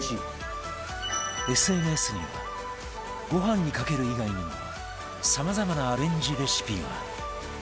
ＳＮＳ にはご飯にかける以外にもさまざまなアレンジレシピが